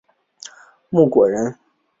郭躬人。